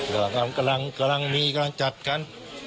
ก็กำลังมีกำลังจัดกัน